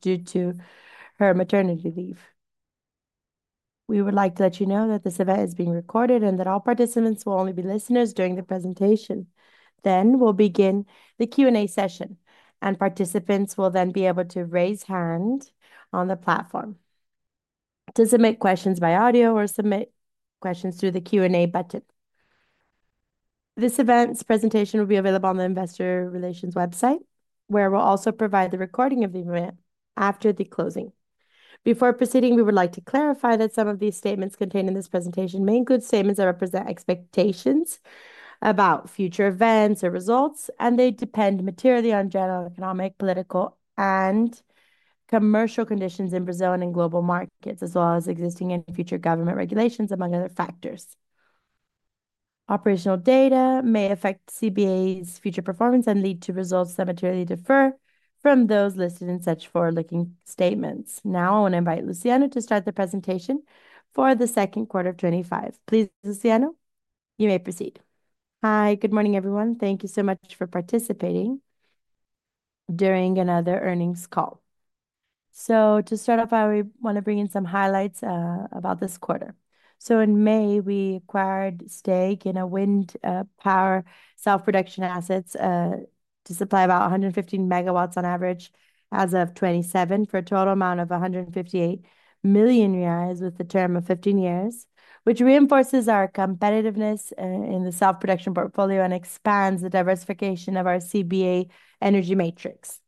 Due to her maternity leave, we would like to let you know that this event is being recorded and that all participants will only be listeners during the presentation. We will begin the Q&A session, and participants will then be able to raise hands on the platform to submit questions by audio or submit questions through the Q&A button. This event's presentation will be available on the Investor Relations website, where we will also provide the recording of the event after the closing. Before proceeding, we would like to clarify that some of the statements contained in this presentation may include statements that represent expectations about future events or results, and they depend materially on general economic, political, and commercial conditions in Brazil and in global markets, as well as existing and future government regulations, among other factors. Operational data may affect CBA's future performance and lead to results that materially differ from those listed in such forward-looking statements. Now I want to invite Luciano to start the presentation for the second quarter of 2025. Please, Luciano, you may proceed. Hi, good morning everyone. Thank you so much for participating during another earnings call. To start off, I want to bring in some highlights about this quarter. In May, we acquired stake in wind power self-production assets to supply about 115 MW on average as of 2027 for a total amount of 158 million reais with a term of 15 years, which reinforces our competitiveness in the self-production portfolio and expands the diversification of our CBA energy matrix.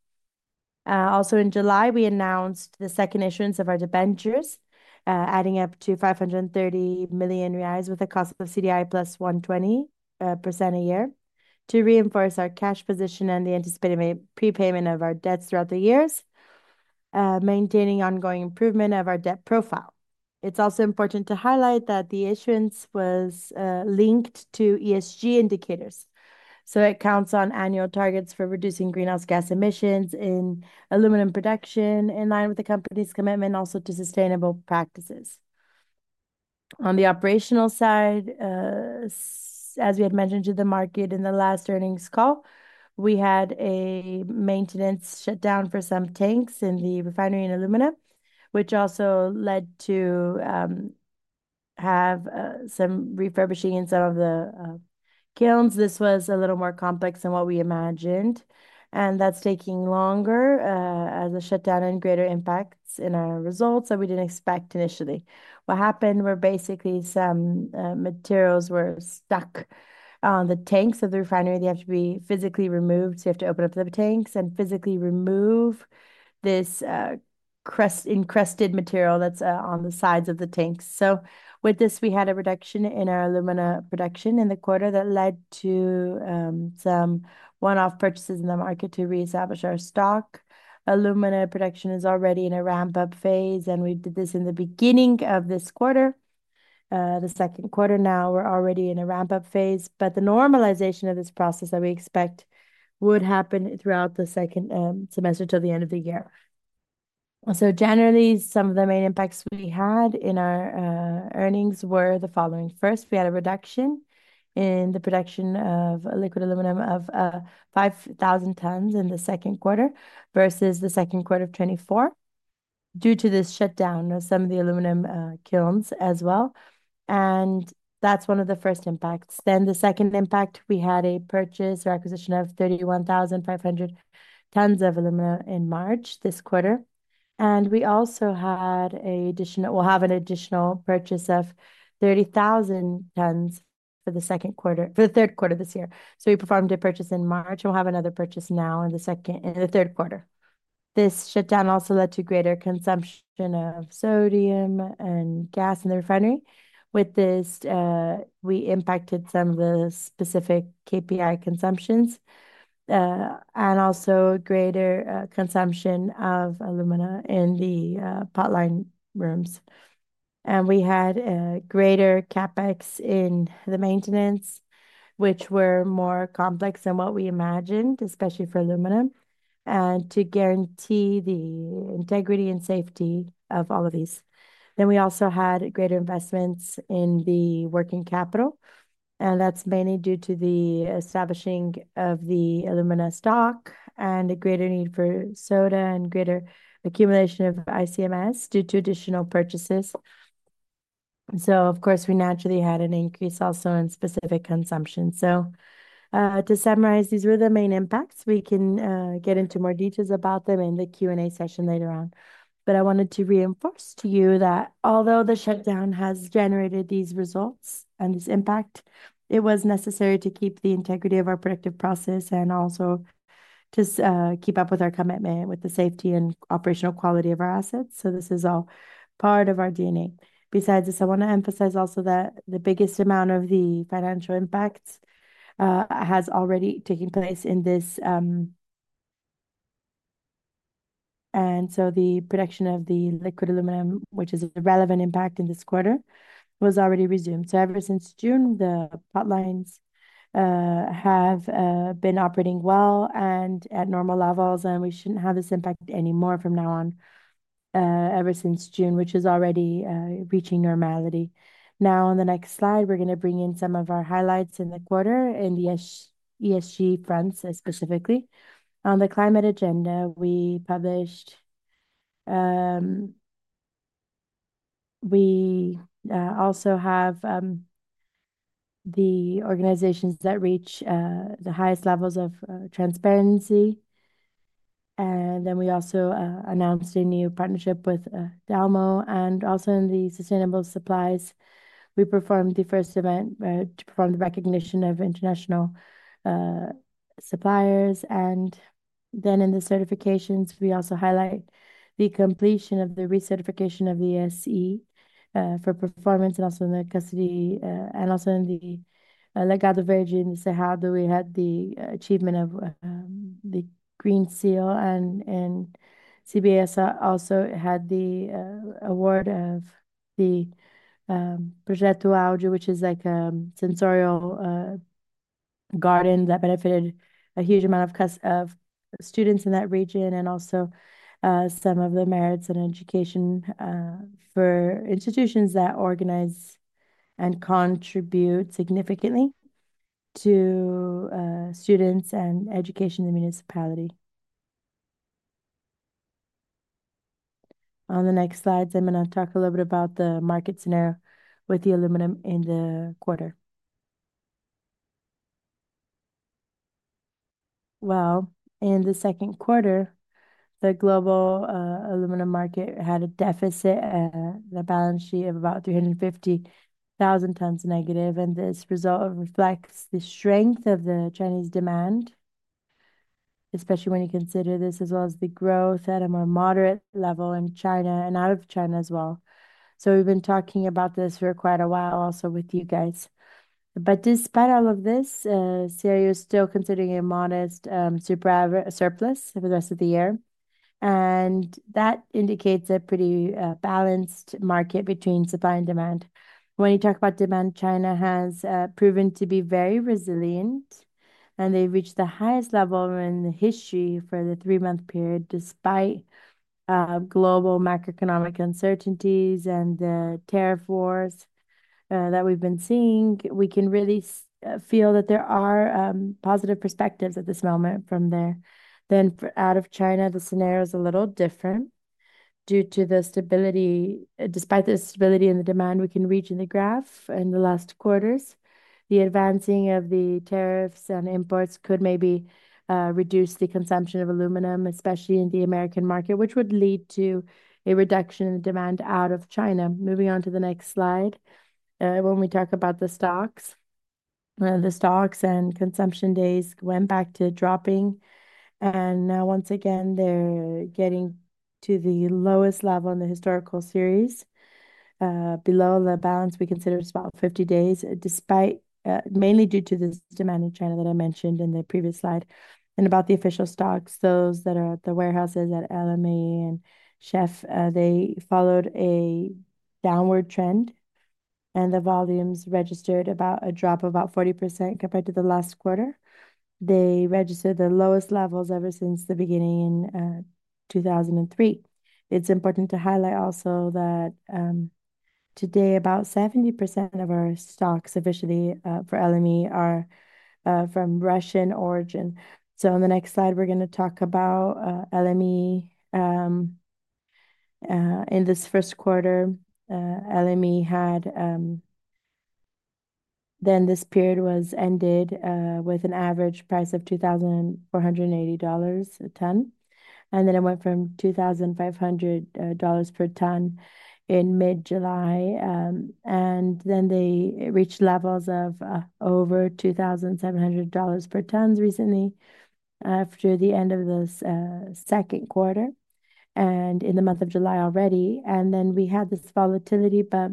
That's taking longer as a shutdown and greater impacts in our results that we didn't expect initially. What happened were basically some materials were stuck on the tanks of the refinery. They have to be physically removed. You have to open up the tanks and physically remove this encrusted material that's on the sides of the tanks. With this, we had a reduction in our aluminum production in the quarter that led to some one-off purchases in the market to reestablish our stock. Aluminum production is already in a ramp-up phase, and we did this in the beginning of this quarter. The second quarter now, we're already in a ramp-up phase, but the normalization of this process that we expect would happen throughout the second semester till the end of the year. Generally, some of the main impacts we had in our earnings were the following. First, we had a reduction in the production of liquid aluminum of 5,000 tons in the second quarter versus the second quarter of 2024 due to this shutdown of some of the aluminum kilns as well. That's one of the first impacts. The second impact, we had a purchase or acquisition of 31,500 tons of aluminum in March this quarter. We also had an additional, we'll have an additional purchase of 30,000 tons for the second quarter, for the third quarter this year. We performed a purchase in March, and we'll have another purchase now in the second and the third quarter. This shutdown also led to greater consumption of sodium and gas in the refinery. With this, we impacted some of the specific KPI consumptions and also greater consumption of aluminum in the pipeline rooms. We had greater CapEx in the maintenance, which were more complex than what we imagined, especially for aluminum, and to guarantee the integrity and safety of all of these. We also had greater investments in the working capital. That's mainly due to the establishing of the aluminum stock and the greater need for soda and greater accumulation of ICMS due to additional purchases. Of course, we naturally had an increase also in specific consumption. To summarize, these were the main impacts. We can get into more details about them in the Q&A session later on. I wanted to reinforce to you that although the shutdown has generated these results and this impact, it was necessary to keep the integrity of our productive process and also to keep up with our commitment with the safety and operational quality of our assets. This is all part of our DNA. Besides this, I want to emphasize also that the biggest amount of the financial impacts has already taken place in this. The production of the liquid aluminum, which is a relevant impact in this quarter, was already resumed. Ever since June, the pipelines have been operating well and at normal levels, and we shouldn't have this impact anymore from now on, ever since June, which is already reaching normality. On the next slide, we're going to bring in some of our highlights in the quarter in the ESG fronts specifically. On the climate agenda, we published, we also have the organizations that reach the highest levels of transparency. We also announced a new partnership with DELGO and also in the sustainable supplies. We performed the first event to perform the recognition of international suppliers. In the certifications, we also highlight the completion of the recertification of the ESG for performance and also in the custody and also in the Legado Verdes Cerrado. We had the achievement of the Green Seal, and CBA also had the award of the Projeto Aldo, which is like a sensorial garden that benefited a huge amount of students in that region and also some of the merits and education for institutions that organize and contribute significantly to students and education in the municipality. On the next slide, I'm going to talk a little bit about the market scenario with the aluminum in the quarter. In the second quarter, the global aluminum market had a deficit in the balance sheet of about 350,000 tons negative. This result reflects the strength of the Chinese demand, especially when you consider this as well as the growth at a more moderate level in China and out of China as well. We've been talking about this for quite a while also with you guys. Despite all of this, CBA is still considering a modest surplus for the rest of the year. That indicates a pretty balanced market between supply and demand. When you talk about demand, China has proven to be very resilient, and they've reached the highest level in history for the three-month period. Despite global macroeconomic uncertainties and the tariff wars that we've been seeing, we can really feel that there are positive perspectives at this moment from there. Out of China, the scenario is a little different due to the stability. Despite the stability in the demand we can reach in the graph in the last quarters, the advancing of the tariffs and imports could maybe reduce the consumption of aluminum, especially in the American market, which would lead to a reduction in the demand out of China. Moving on to the next slide, when we talk about the stocks, the stocks and consumption days went back to dropping. Now, once again, they're getting to the lowest level in the historical series, below the balance we considered about 50 days, mainly due to the demand in China that I mentioned in the previous slide. About the official stocks, those that are at the warehouses at LME and SHFE, they followed a downward trend, and the volumes registered about a drop of about 40% compared to the last quarter. They registered the lowest levels ever since the beginning in 2003. It's important to highlight also that today, about 70% of our stocks officially for LME are from Russian origin. On the next slide, we're going to talk about LME. In this first quarter, LME had, then this period was ended with an average price of $2,480 a ton. It went from $2,500 per ton in mid-July. They reached levels of over $2,700 per ton recently after the end of the second quarter and in the month of July already. We had this volatility, but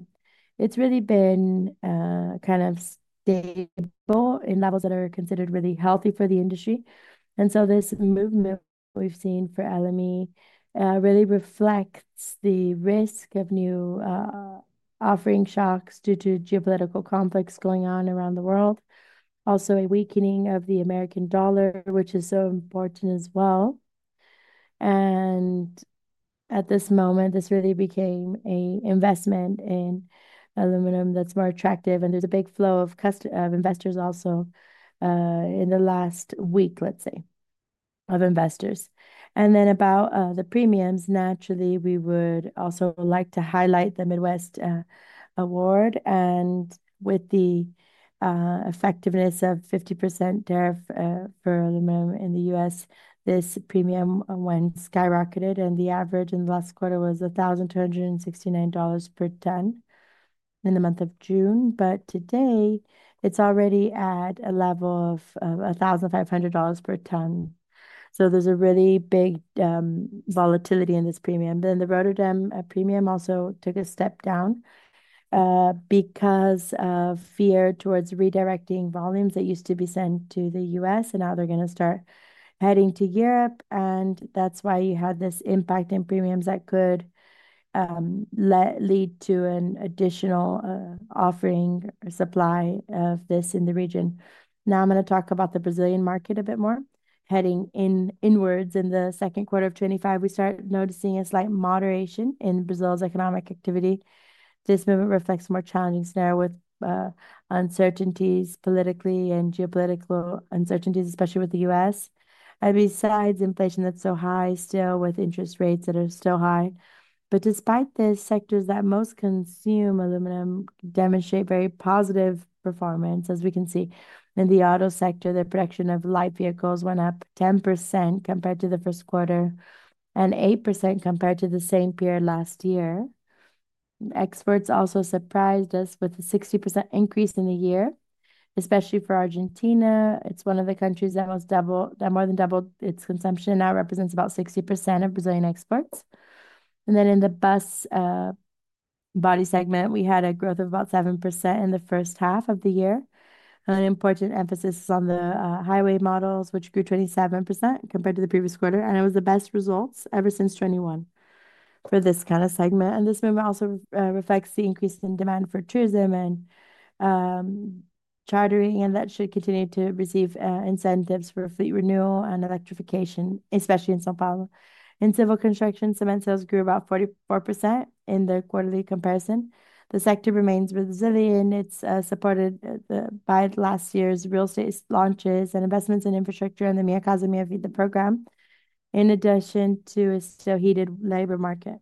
it's really been kind of stable in levels that are considered really healthy for the industry. This movement we've seen for LME really reflects the risk of new offering shocks due to geopolitical conflicts going on around the world. Also, a weakening of the American dollar, which is so important as well. At this moment, this really became an investment in aluminum that's more attractive. There's a big flow of investors also in the last week, let's say, of investors. About the premiums, naturally, we would also like to highlight the Midwest Award. With the effectiveness of 50% tariff for aluminum in the U.S., this premium skyrocketed. The average in the last quarter was $1,269 per ton in the month of June. Today, it's already at a level of $1,500 per ton. There's a really big volatility in this premium. The Rotterdam Premium also took a step down because of fear towards redirecting volumes that used to be sent to the U.S. Now they're going to start heading to Europe. That's why you had this impact in premiums that could lead to an additional offering or supply of this in the region. Now I'm going to talk about the Brazilian market a bit more. Heading inwards in the second quarter of 2025, we start noticing a slight moderation in Brazil's economic activity. This movement reflects a more challenging scenario with uncertainties politically and geopolitical uncertainties, especially with the U.S. Besides inflation that's so high still with interest rates that are so high. Despite this, sectors that most consume aluminum demonstrate very positive performance, as we can see. In the auto sector, the production of light vehicles went up 10% compared to the first quarter and 8% compared to the same period last year. Exports also surprised us with a 60% increase in the year, especially for Argentina. It's one of the countries that more than doubled its consumption and now represents about 60% of Brazilian exports. In the bus body segment, we had a growth of about 7% in the first half of the year. An important emphasis is on the highway models, which grew 27% compared to the previous quarter. It was the best results ever since 2021 for this kind of segment. This movement also reflects the increase in demand for tourism and chartering, and that should continue to receive incentives for fleet renewal and electrification, especially in São Paulo. In civil construction, cement sales grew about 44% in their quarterly comparison. The sector remains resilient. It's supported by last year's real estate launches and investments in infrastructure and the Minha Casa Minha Vida program, in addition to a still heated labor market.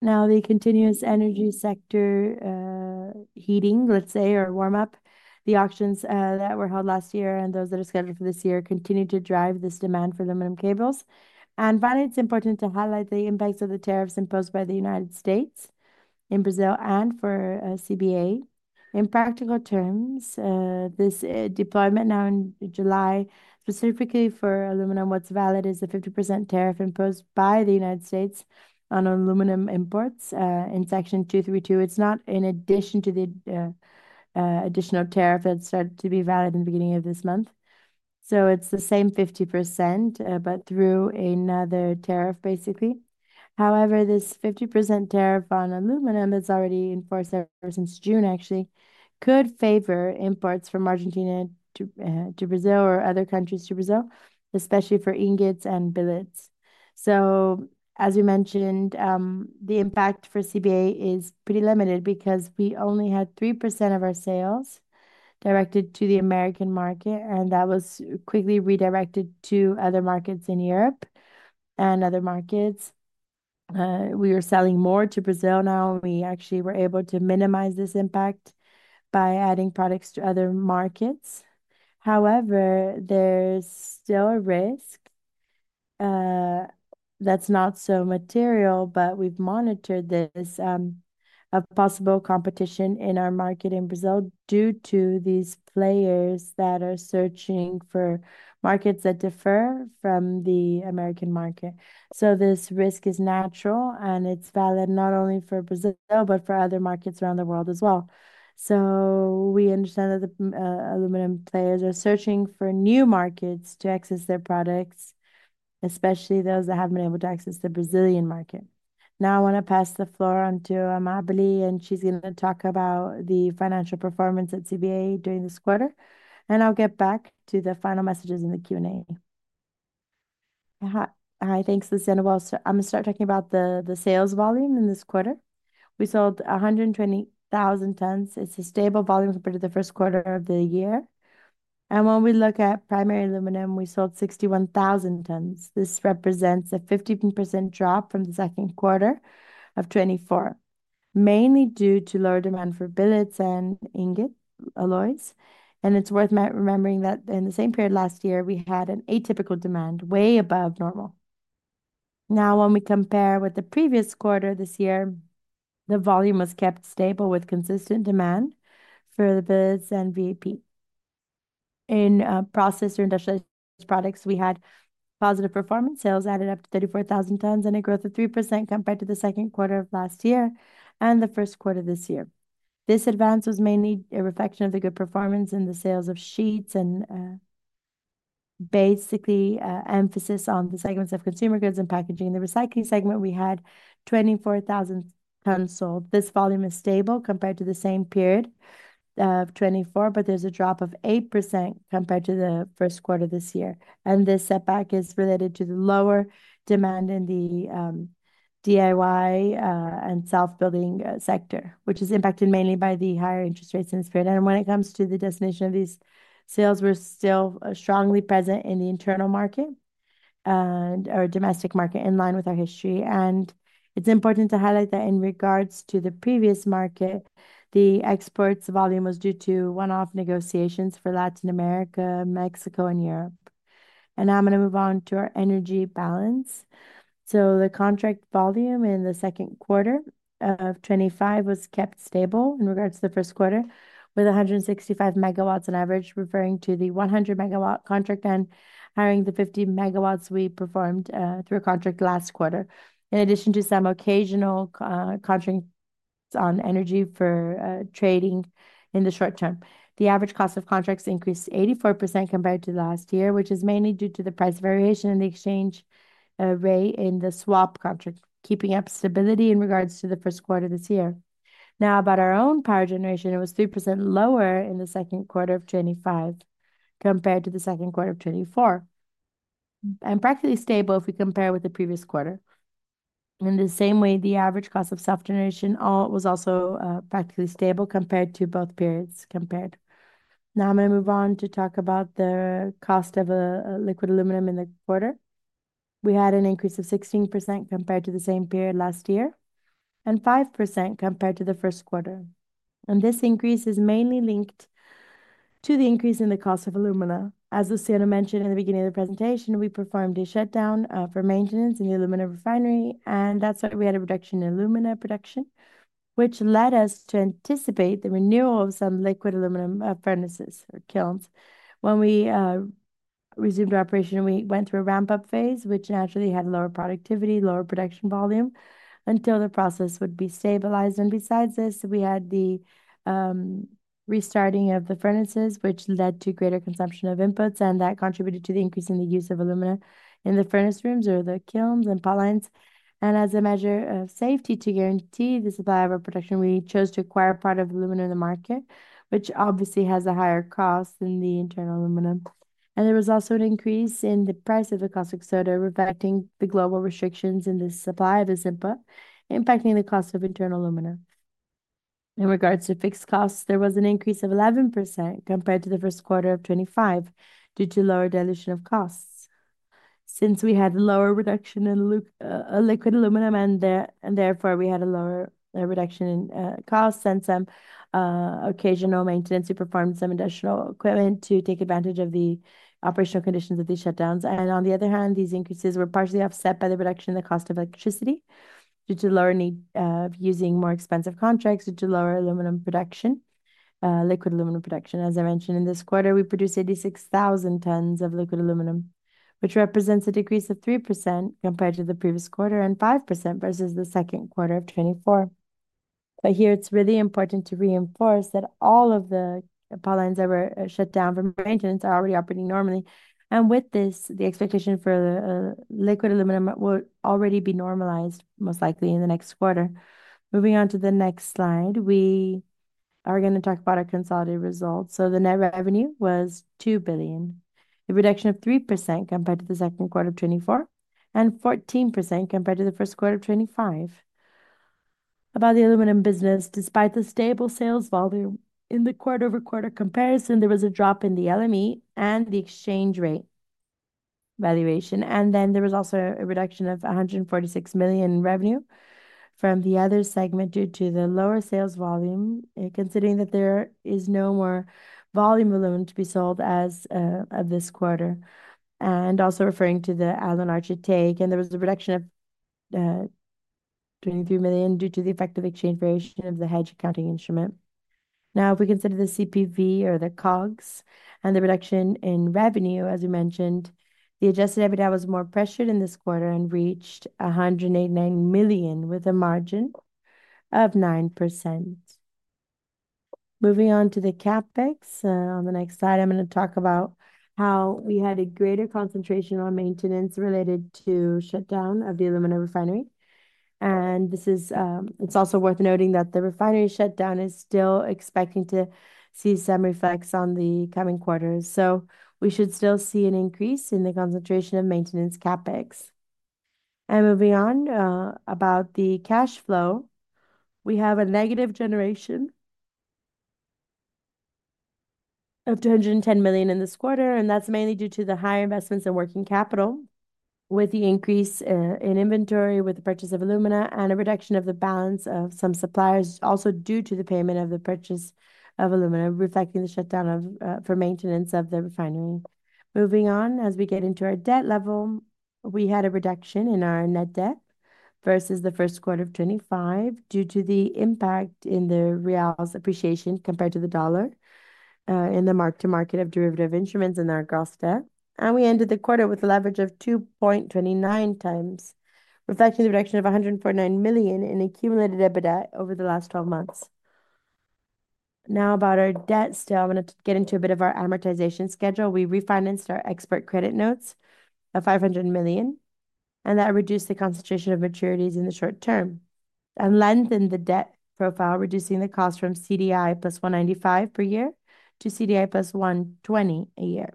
The continuous energy sector heating, let's say, or warm-up, the auctions that were held last year and those that are scheduled for this year continue to drive this demand for aluminum cables. Finally, it's important to highlight the impacts of the tariffs imposed by the United States in Brazil and for CBA. In practical terms, this deployment now in July, specifically for aluminum, what's valid is a 50% tariff imposed by the United States on aluminum imports in Section 232. It's not in addition to the additional tariff that started to be valid in the beginning of this month. It's the same 50%, but through another tariff, basically. However, this 50% tariff on aluminum is already in force ever since June, actually, could favor imports from Argentina to Brazil or other countries to Brazil, especially for ingots and billets. As we mentioned, the impact for CBA is pretty limited because we only had 3% of our sales directed to the U.S. market, and that was quickly redirected to other markets in Europe and other markets. We were selling more to Brazil. We actually were able to minimize this impact by adding products to other markets. However, there's still a risk that's not so material, but we've monitored this, of possible competition in our market in Brazil due to these players that are searching for markets that differ from the U.S. market. This risk is natural, and it's valid not only for Brazil, but for other markets around the world as well. We understand that the aluminum players are searching for new markets to access their products, especially those that haven't been able to access the Brazilian market. I want to pass the floor on to Amabile, and she's going to talk about the financial performance at CBA during this quarter. I'll get back to the final messages in the Q&A. Hi, thanks, Luciano. I'm going to start talking about the sales volume in this quarter. We sold 120,000 tons. It's a stable volume compared to the first quarter of the year. When we look at primary aluminum, we sold 61,000 tons. This represents a 15% drop from the second quarter of 2024, mainly due to lower demand for billets and ingot alloys. It's worth remembering that in the same period last year, we had an atypical demand way above normal. When we compare with the previous quarter this year, the volume was kept stable with consistent demand for the billets and VAP. In process or industrialized products, we had positive performance. Sales added up to 34,000 tons and a growth of 3% compared to the second quarter of last year and the first quarter this year. This advance was mainly a reflection of the good performance in the sales of sheets and basically emphasis on the segments of consumer goods and packaging. In the recycling segment, we had 24,000 tons sold. This volume is stable compared to the same period of 2024, but there's a drop of 8% compared to the first quarter this year. This setback is related to the lower demand in the DIY and self-building sector, which is impacted mainly by the higher interest rates in this period. When it comes to the destination of these sales, we're still strongly present in the internal market and our domestic market in line with our history. It's important to highlight that in regards to the previous market, the exports volume was due to one-off negotiations for Latin America, Mexico, and Europe. Now I'm going to move on to our energy balance. The contract volume in the second quarter of 2025 was kept stable in regards to the first quarter with 165 MW on average, referring to the 100 MW contract and hiring the 50 MW we performed through a contract last quarter, in addition to some occasional contracts on energy for trading in the short term. The average cost of contracts increased 84% compared to last year, which is mainly due to the price variation in the exchange rate in the swap contract, keeping up stability in regards to the first quarter this year. Now, about our own power generation, it was 3% lower in the second quarter of 2025 compared to the second quarter of 2024, and practically stable if we compare with the previous quarter. In the same way, the average cost of self-generation was also practically stable compared to both periods compared. Now I'm going to move on to talk about the cost of liquid aluminum in the quarter. We had an increase of 16% compared to the same period last year and 5% compared to the first quarter. This increase is mainly linked to the increase in the cost of aluminum. As Luciano mentioned in the beginning of the presentation, we performed a shutdown for maintenance in the alumina refinery. That's why we had a reduction in aluminum production, which led us to anticipate the renewal of some liquid aluminum furnaces or kilns. When we resumed our operation, we went through a ramp-up phase, which naturally had lower productivity, lower production volume until the process would be stabilized. Besides this, we had the restarting of the furnaces, which led to greater consumption of inputs. That contributed to the increase in the use of aluminum in the furnace rooms or the kilns and pipelines. As a measure of safety to guarantee the supply of our production, we chose to acquire part of aluminum in the market, which obviously has a higher cost than the internal aluminum. There was also an increase in the price of caustic soda, reflecting the global restrictions in the supply of the SIPA, impacting the cost of internal aluminum. In regards to fixed costs, there was an increase of 11% compared to the first quarter of 2025 due to lower dilution of costs. Since we had a lower reduction in liquid aluminum, and therefore we had a lower reduction in costs and some occasional maintenance, we performed some additional equipment to take advantage of the operational conditions of these shutdowns. On the other hand, these increases were partially offset by the reduction in the cost of electricity due to the lower need of using more expensive contracts due to lower aluminum production, liquid aluminum production. As I mentioned, in this quarter, we produced 86,000 tons of liquid aluminum, which represents a decrease of 3% compared to the previous quarter and 5% versus the second quarter of 2024. It's really important to reinforce that all of the pipelines that were shut down from maintenance are already operating normally. With this, the expectation for liquid aluminum will already be normalized most likely in the next quarter. Moving on to the next slide, we are going to talk about our consolidated results. The net revenue was 2 billion, a reduction of 3% compared to the second quarter of 2024 and 14% compared to the first quarter of 2025. About the aluminum business, despite the stable sales volume in the quarter-over-quarter comparison, there was a drop in the LME and the exchange rate valuation. There was also a reduction of 146 million in revenue from the other segment due to the lower sales volume, considering that there is no more volume aluminum to be sold as of this quarter, and also referring to the Allen Archer take. There was a reduction of 23 million due to the effective exchange variation of the hedge accounting instrument. If we consider the CPV or the COGS and the reduction in revenue, as we mentioned, the adjusted EBITDA was more pressured in this quarter and reached 189 million with a margin of 9%. Moving on to the CapEx. On the next slide, I'm going to talk about how we had a greater concentration on maintenance related to shutdown of the alumina refinery. It's also worth noting that the refinery shutdown is still expected to see some reflex on the coming quarters. We should still see an increase in the concentration of maintenance CapEx. Moving on about the cash flow, we have a negative generation of 210 million in this quarter, and that's mainly due to the high investments in working capital, with the increase in inventory with the purchase of aluminum and a reduction of the balance of some suppliers. It's also due to the payment of the purchase of aluminum, reflecting the shutdown for maintenance of the refinery. Moving on, as we get into our debt level, we had a reduction in our net debt versus the first quarter of 2025 due to the impact in the reais appreciation compared to the dollar in the mark-to-market of derivative instruments and our gross debt. We ended the quarter with a leverage of 2.29x, reflecting the reduction of $149 million in accumulated EBITDA over the last 12 months. Now, about our debt still, I'm going to get into a bit of our amortization schedule. We refinanced our export credit notes of $500 million, and that reduced the concentration of maturities in the short term and lengthened the debt profile, reducing the cost from CDI plus 195 per year to CDI plus 120 per year.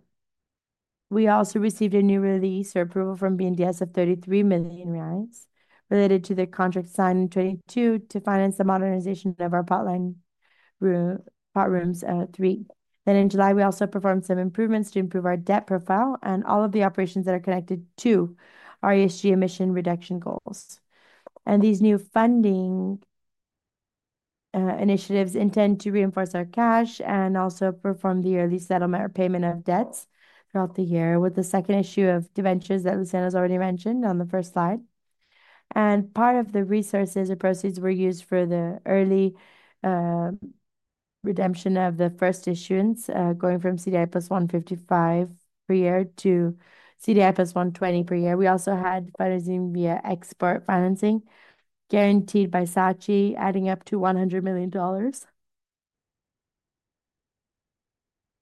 We also received a new release or approval from BNDES of BRL 33 million related to the contract signed in 2022 to finance the modernization of our pipeline rooms, three. In July, we also performed some improvements to improve our debt profile and all of the operations that are connected to our ESG emission reduction goals. These new funding initiatives intend to reinforce our cash and also perform the early settlement or payment of debts throughout the year with the second issue of debentures that Luciano has already mentioned on the first slide. Part of the resources or proceeds were used for the early redemption of the first issuance going from CDI plus 155 per year to CDI plus 120 per year. We also had funding via export financing guaranteed by SACE, adding up to $100 million.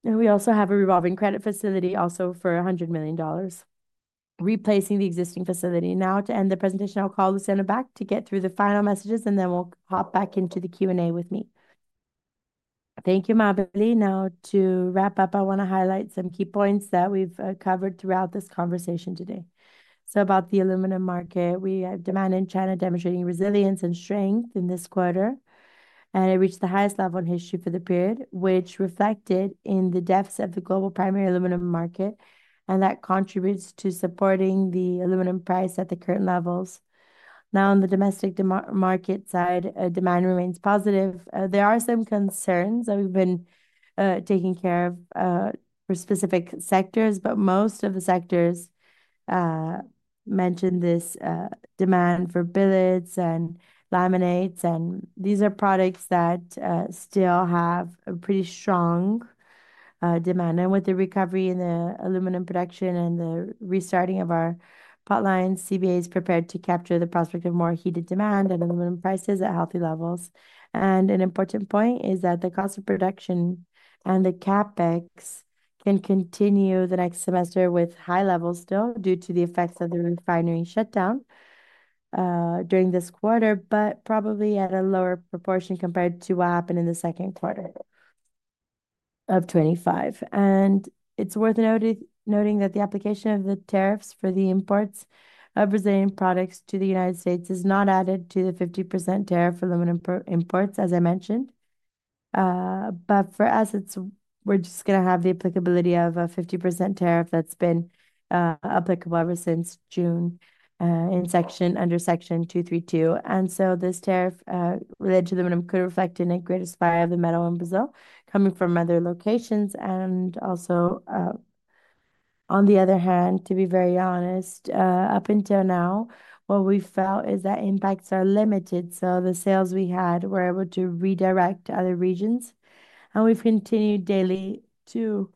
We also have a revolving credit facility also for $100 million, replacing the existing facility. Now, to end the presentation, I'll call Luciano back to get through the final messages, and then we'll hop back into the Q&A with me. Thank you, Amabile. Now, to wrap up, I want to highlight some key points that we've covered throughout this conversation today. About the aluminum market, we have demand in China demonstrating resilience and strength in this quarter, and it reached the highest level in history for the period, which reflected in the depths of the global primary aluminum market, and that contributes to supporting the aluminum price at the current levels. On the domestic market side, demand remains positive. There are some concerns that we've been taking care of for specific sectors, but most of the sectors mentioned this demand for billets and laminates. These are products that still have a pretty strong demand. With the recovery in the aluminum production and the restarting of our pipelines, CBA is prepared to capture the prospect of more heated demand and aluminum prices at healthy levels. An important point is that the cost of production and the CapEx can continue the next semester with high levels still due to the effects of the refinery shutdown during this quarter, but probably at a lower proportion compared to what happened in the second quarter of 2025. It's worth noting that the application of the tariffs for the imports of Brazilian products to the United States is not added to the 50% tariff for aluminum imports, as I mentioned. For us, we're just going to have the applicability of a 50% tariff that's been applicable ever since June under Section 232. This tariff related to aluminum could reflect an increased supply of the metal in Brazil coming from other locations. Also, to be very honest, up until now, what we felt is that impacts are limited. The sales we had were able to redirect to other regions. We've continued daily to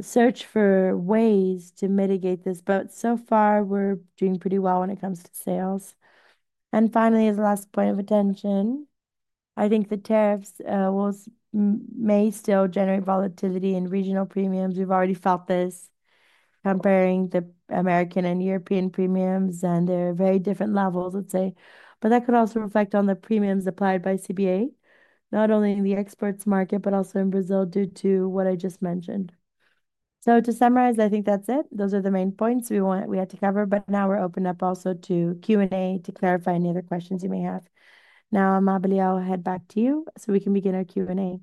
search for ways to mitigate this, but so far, we're doing pretty well when it comes to sales. Finally, as the last point of attention, I think the tariffs may still generate volatility in regional premiums. We've already felt this comparing the American and European premiums, and they're very different levels, let's say. That could also reflect on the premiums applied by CBA, not only in the exports market, but also in Brazil due to what I just mentioned. To summarize, I think that's it. Those are the main points we had to cover, but now we're open up also to Q&A to clarify any other questions you may have. Now, Amabile, I'll head back to you so we can begin our Q&A.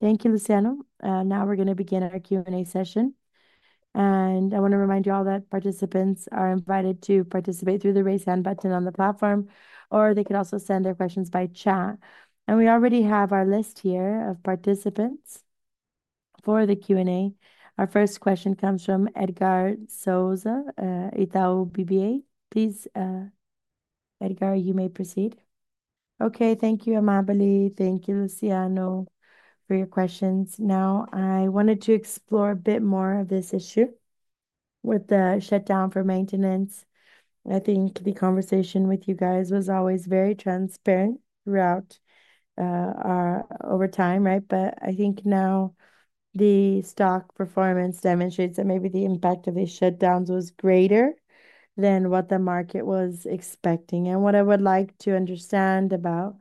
Thank you, Luciano. Now we're going to begin our Q&A session. I want to remind you all that participants are invited to participate through the raise hand button on the platform, or they can also send their questions by chat. We already have our list here of participants for the Q&A. Our first question comes from Edgar Souza, Itaú BBA. Please, Edgar, you may proceed. Okay. Thank you, Amabile. Thank you, Luciano, for your questions. Now, I wanted to explore a bit more of this issue with the shutdown for maintenance. I think the conversation with you guys was always very transparent throughout our over time, right? I think now the stock performance demonstrates that maybe the impact of these shutdowns was greater than what the market was expecting. What I would like to understand about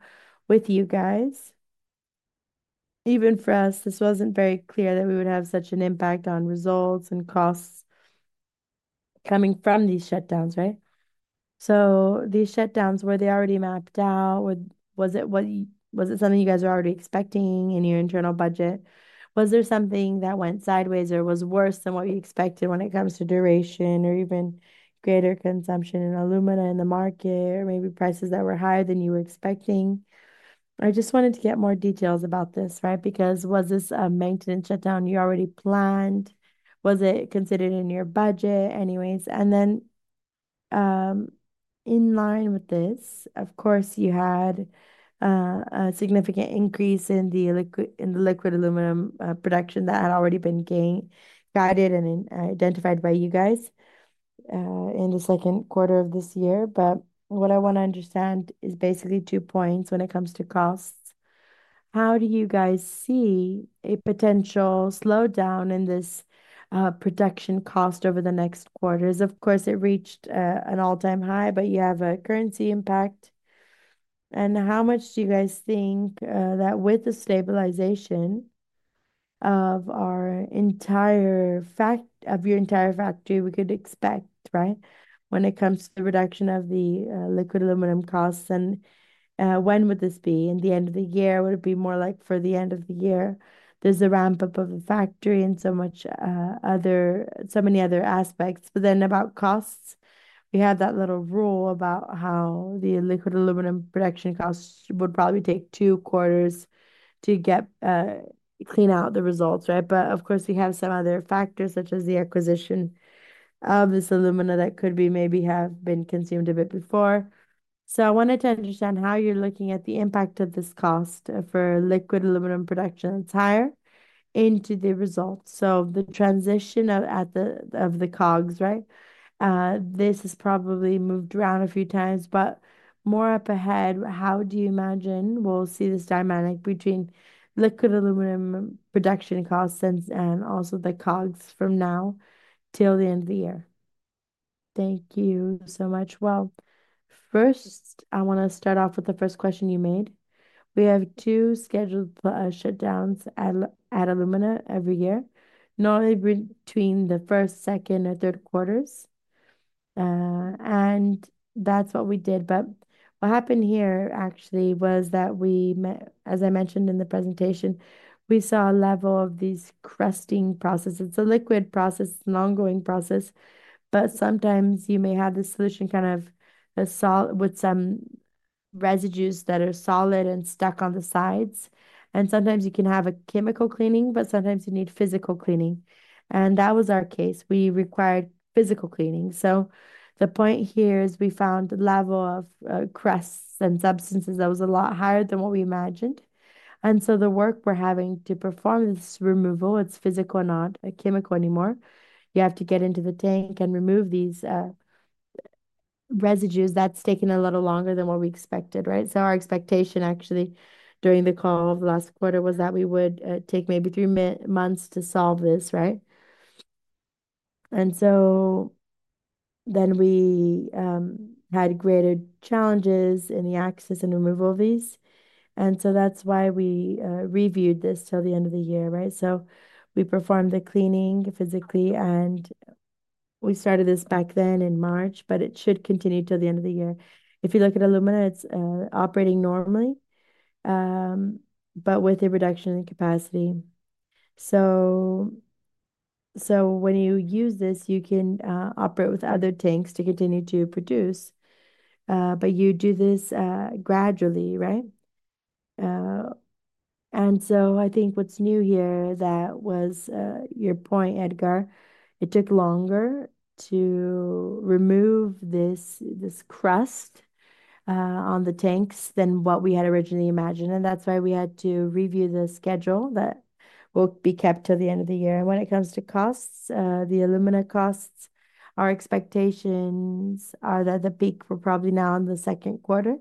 with you guys, even for us, this wasn't very clear that we would have such an impact on results and costs coming from these shutdowns, right? These shutdowns, were they already mapped out? Was it something you guys were already expecting in your internal budget? Was there something that went sideways or was worse than what you expected when it comes to duration or even greater consumption in aluminum in the market, or maybe prices that were higher than you were expecting? I just wanted to get more details about this, right? Was this a maintenance shutdown you already planned? Was it considered in your budget anyways? In line with this, of course, you had a significant increase in the liquid aluminum production that had already been guided and identified by you guys in the second quarter of this year. What I want to understand is basically two points when it comes to costs. How do you guys see a potential slowdown in this production cost over the next quarters? Of course, it reached an all-time high, but you have a currency impact. How much do you guys think that with the stabilization of your entire factory, we could expect, right, when it comes to the reduction of the liquid aluminum costs? When would this be? In the end of the year, would it be more like for the end of the year? There's a ramp-up of a factory and so many other aspects. About costs, we have that little rule about how the liquid aluminum production costs would probably take two quarters to clean out the results, right? Of course, we have some other factors, such as the acquisition of this aluminum that could be maybe have been consumed a bit before. I wanted to understand how you're looking at the impact of this cost for liquid aluminum production that's higher into the results. The transition of the COGS, right? This has probably moved around a few times, but more up ahead, how do you imagine we'll see this dynamic between liquid aluminum production costs and also the COGS from now till the end of the year? Thank you so much. First, I want to start off with the first question you made. We have two scheduled shutdowns at Alumina every year, normally between the first, second, or third quarters. That's what we did. What happened here, actually, was that we met, as I mentioned in the presentation, we saw a level of these crusting processes. It's a liquid process. It's an ongoing process. Sometimes you may have the solution with some residues that are solid and stuck on the sides. Sometimes you can have a chemical cleaning, but sometimes you need physical cleaning. That was our case. We required physical cleaning. The point here is we found a level of crusts and substances that was a lot higher than what we imagined. The work we're having to perform for this removal is physical, not chemical anymore. You have to get into the tank and remove these residues. That's taken a little longer than what we expected, right? Our expectation during the call of the last quarter was that we would take maybe three months to solve this, right? We had greater challenges in the access and removal of these. That's why we reviewed this till the end of the year, right? We performed the cleaning physically, and we started this back then in March, but it should continue till the end of the year. If you look at Alumina, it's operating normally, but with a reduction in capacity. When you use this, you can operate with other tanks to continue to produce. You do this gradually, right? I think what's new here, that was your point, Edgar, it took longer to remove this crust on the tanks than what we had originally imagined. That's why we had to review the schedule that will be kept till the end of the year. When it comes to costs, the Alumina costs, our expectations are that the peak will probably be now in the second quarter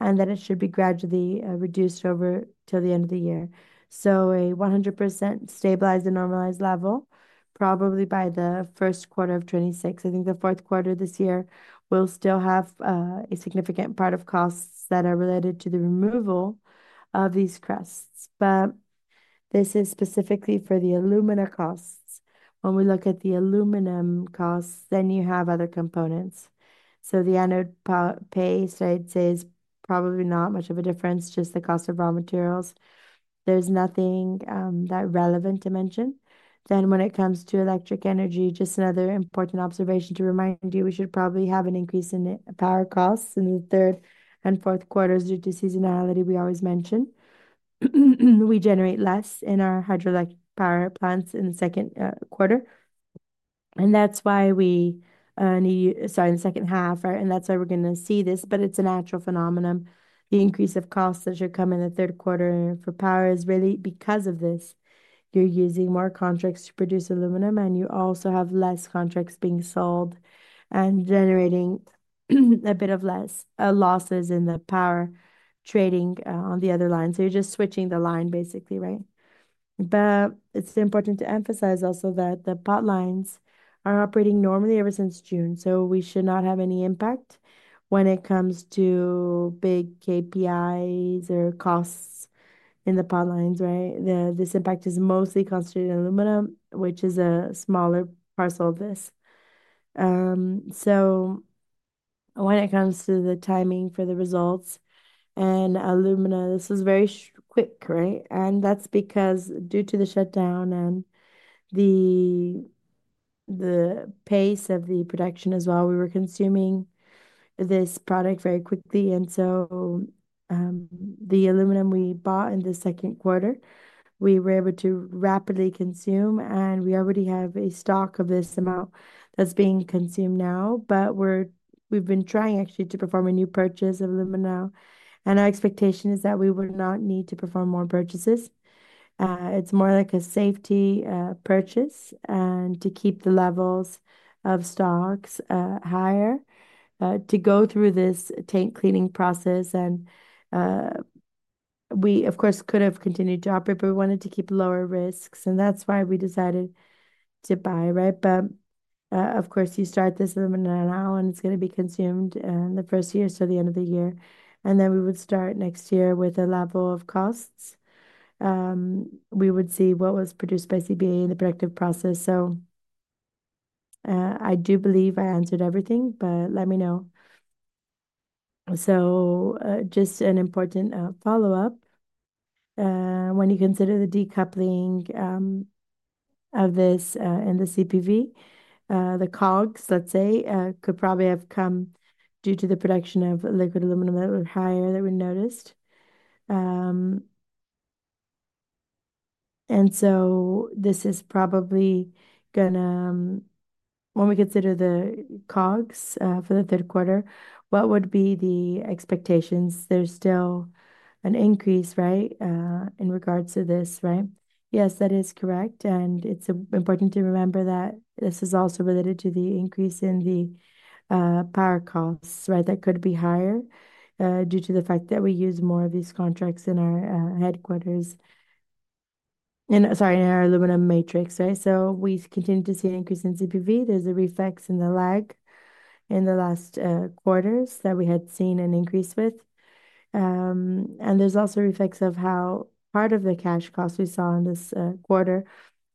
and that it should be gradually reduced over till the end of the year. A 100% stabilized and normalized level, probably by the first quarter of 2026. I think the fourth quarter of this year will still have a significant part of costs that are related to the removal of these crusts. This is specifically for the Alumina costs. When we look at the Aluminum costs, then you have other components. The annual pay, so I'd say, is probably not much of a difference, just the cost of raw materials. There's nothing that relevant to mention. When it comes to electric energy, just another important observation to remind you, we should probably have an increase in power costs in the third and fourth quarters due to seasonality we always mention. We generate less in our hydroelectric power plants in the second quarter, and that's why we need you, sorry, in the second half, and that's why we're going to see this. It's a natural phenomenon. The increase of costs that should come in the third quarter for power is really because of this. You're using more contracts to produce aluminum, and you also have less contracts being sold and generating a bit of less losses in the power trading on the other line. You're just switching the line, basically, right? It's important to emphasize also that the pipelines are operating normally ever since June. We should not have any impact when it comes to big KPIs or costs in the pipelines, right? This impact is mostly concentrated in aluminum, which is a smaller parcel of this. When it comes to the timing for the results and alumina, this was very quick, right? That's because due to the shutdown and the pace of the production as well, we were consuming this product very quickly. The aluminum we bought in the second quarter, we were able to rapidly consume, and we already have a stock of this amount that's being consumed now. We've been trying, actually, to perform a new purchase of aluminum now. Our expectation is that we would not need to perform more purchases. It's more like a safety purchase and to keep the levels of stocks higher to go through this tank cleaning process. We, of course, could have continued to operate, but we wanted to keep lower risks. That's why we decided to buy, right? Of course, you start this aluminum now, and it's going to be consumed in the first year, so the end of the year. Then we would start next year with a level of costs. We would see what was produced by CBA in the productive process. I do believe I answered everything, but let me know. Just an important follow-up. When you consider the decoupling of this in the CPV, the COGS, let's say, could probably have come due to the production of liquid aluminum that was higher that we noticed. This is probably going to, when we consider the COGS for the third quarter, what would be the expectations? There's still an increase, right, in regards to this, right? Yes, that is correct. It's important to remember that this is also related to the increase in the power costs, right, that could be higher due to the fact that we use more of these contracts in our headquarters, and, sorry, in our aluminum matrix, right? We continue to see an increase in CPV. There's a reflex in the lag in the last quarters that we had seen an increase with. There's also a reflex of how part of the cash costs we saw in this quarter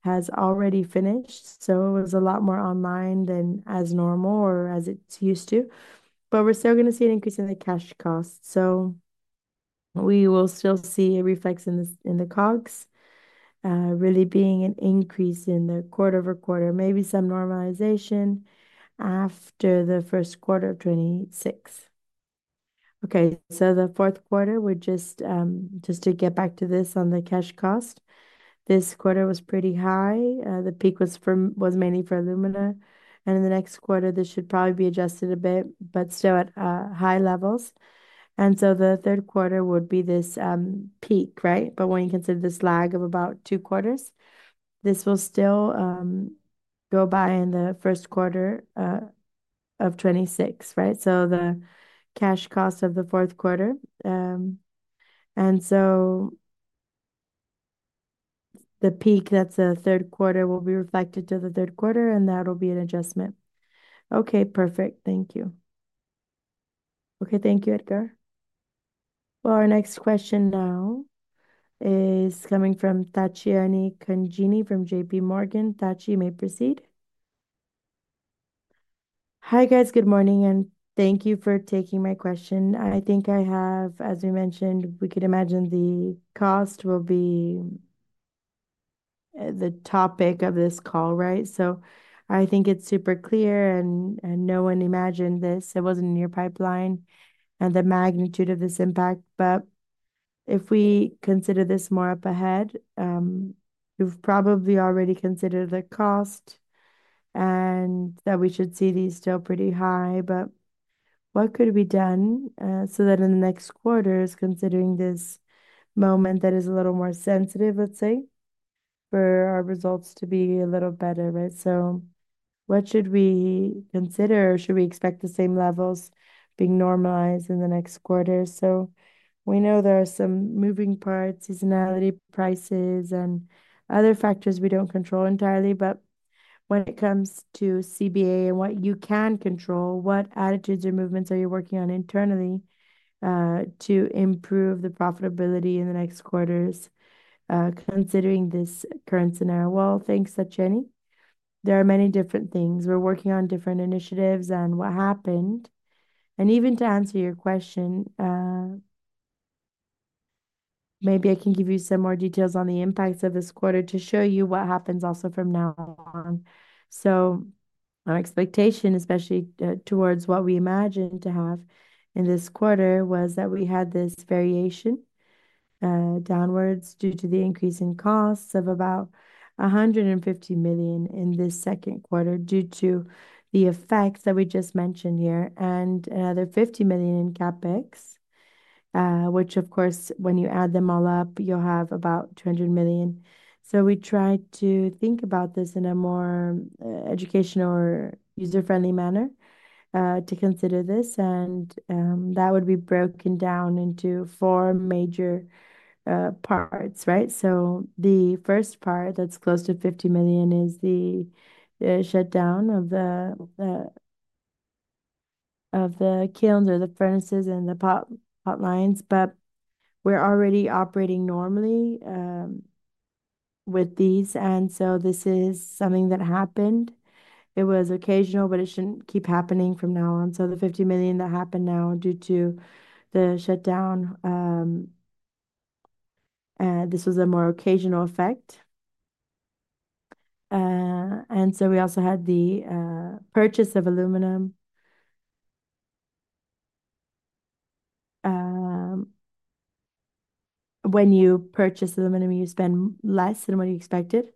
has already finished. It was a lot more online than as normal or as it's used to. We're still going to see an increase in the cash costs. We will still see a reflex in the COGS, really being an increase in the quarter over quarter, maybe some normalization after the first quarter of 2026. The fourth quarter, just to get back to this on the cash cost, this quarter was pretty high. The peak was mainly for alumina. In the next quarter, this should probably be adjusted a bit, but still at high levels. The third quarter would be this peak, right? When you consider this lag of about two quarters, this will still go by in the first quarter of 2026, right? The cash cost of the fourth quarter, and the peak that's the third quarter will be reflected to the third quarter, and that'll be an adjustment. Perfect. Thank you. Thank you, Edgar. Our next question now is coming from Tatiana Congiene from JPMorgan. Tachi, you may proceed. Hi, guys. Good morning, and thank you for taking my question. I think I have, as we mentioned, we could imagine the cost will be the topic of this call, right? I think it's super clear, and no one imagined this. It wasn't in your pipeline and the magnitude of this impact. If we consider this more up ahead, we've probably already considered the cost and that we should see these still pretty high. What could be done so that in the next quarters, considering this moment that is a little more sensitive, let's say, for our results to be a little better, right? What should we consider, or should we expect the same levels being normalized in the next quarter? We know there are some moving parts, seasonality prices, and other factors we don't control entirely. When it comes to CBA and what you can control, what attitudes or movements are you working on internally to improve the profitability in the next quarters, considering this current scenario? Thanks, Tachiani. There are many different things. We're working on different initiatives and what happened. Even to answer your question, maybe I can give you some more details on the impacts of this quarter to show you what happens also from now on. Our expectation, especially towards what we imagined to have in this quarter, was that we had this variation downwards due to the increase in costs of about 150 million in this second quarter due to the effects that we just mentioned here and another 50 million in CapEx, which, of course, when you add them all up, you'll have about 200 million. We tried to think about this in a more educational or user-friendly manner to consider this. That would be broken down into four major parts, right? The first part that's close to 50 million is the shutdown of the kiln or the furnaces and the pipelines. We're already operating normally with these. This is something that happened. It was occasional, but it shouldn't keep happening from now on. The 50 million that happened now due to the shutdown, this was a more occasional effect. We also had the purchase of aluminum. When you purchase aluminum, you spend less than what you expected.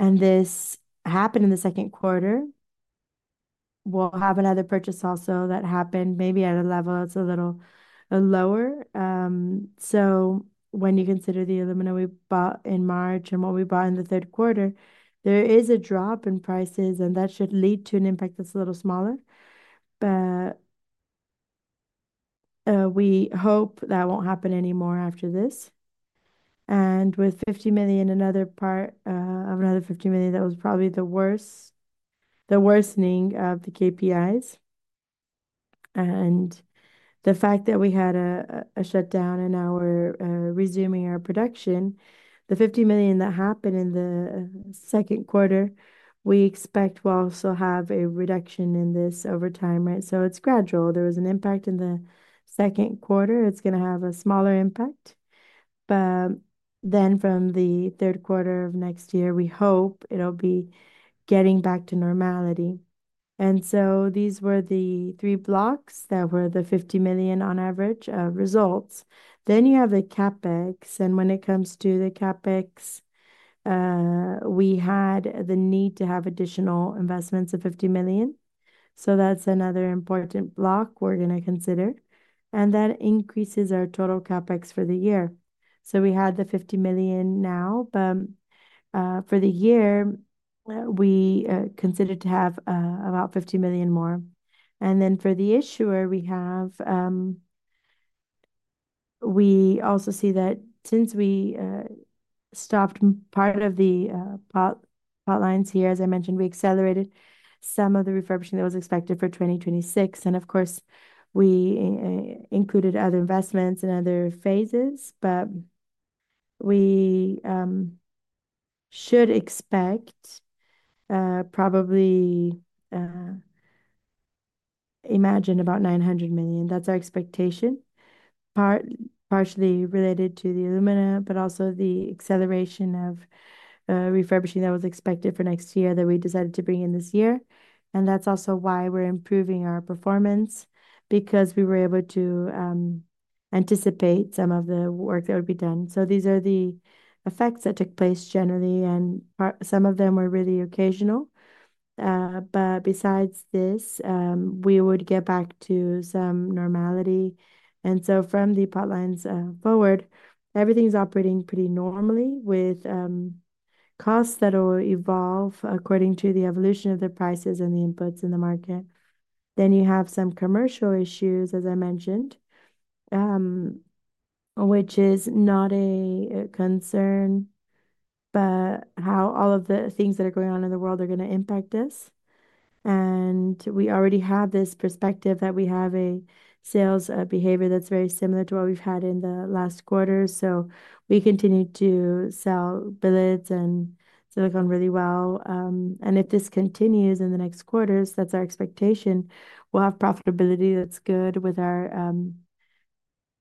This happened in the second quarter. We'll have another purchase also that happened maybe at a level that's a little lower. When you consider the aluminum we bought in March and what we bought in the third quarter, there is a drop in prices, and that should lead to an impact that's a little smaller. We hope that won't happen anymore after this. With 50 million, another part of another 50 million that was probably the worsening of the KPIs and the fact that we had a shutdown and now we're resuming our production, the 50 million that happened in the second quarter, we expect we'll also have a reduction in this over time, right? It's gradual. There was an impact in the second quarter. It's going to have a smaller impact. From the third quarter of next year, we hope it'll be getting back to normality. These were the three blocks that were the 50 million on average results. Then you have the CapEx. When it comes to the CapEx, we had the need to have additional investments of 50 million. That's another important block we're going to consider. That increases our total CapEx for the year. We had the 50 million now, but for the year, we considered to have about 50 million more. For the issuer, we also see that since we stopped part of the pipelines here, as I mentioned, we accelerated some of the refurbishing that was expected for 2026. Of course, we included other investments in other phases. We should expect probably about 900 million. That's our expectation, partially related to the alumina, but also the acceleration of refurbishing that was expected for next year that we decided to bring in this year. That's also why we're improving our performance because we were able to anticipate some of the work that would be done. These are the effects that took place generally, and some of them were really occasional. Besides this, we would get back to some normality. From the pipelines forward, everything's operating pretty normally with costs that will evolve according to the evolution of the prices and the inputs in the market. You have some commercial issues, as I mentioned, which is not a concern, but how all of the things that are going on in the world are going to impact us. We already have this perspective that we have a sales behavior that's very similar to what we've had in the last quarter. We continue to sell billets and silicon really well. If this continues in the next quarters, that's our expectation. We'll have profitability that's good with our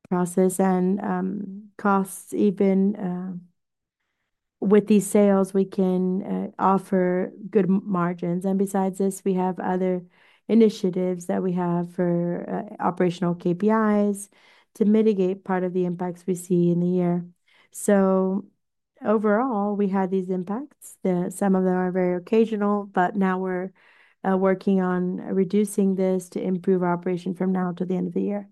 process and costs. Even with these sales, we can offer good margins. Besides this, we have other initiatives that we have for operational KPIs to mitigate part of the impacts we see in the year. Overall, we had these impacts. Some of them are very occasional, but now we're working on reducing this to improve our operation from now until the end of the year.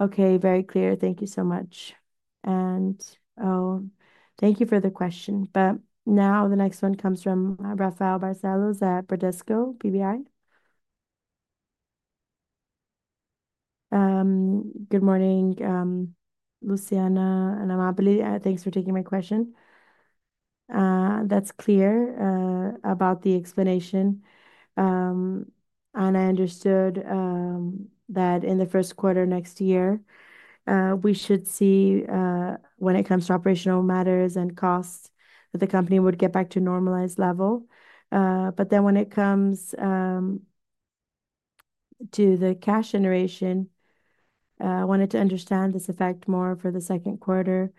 Okay. Very clear. Thank you so much. Thank you for the question. The next one comes from Rafael Barcelos at Bradesco BBI. Good morning, Luciano and Amabile. Thanks for taking my question. That's clear about the explanation. I understood that in the first quarter next year, we should see, when it comes to operational matters and costs, that the company would get back to a normalized level. When it comes to the cash generation, I wanted to understand this effect more for the second quarter.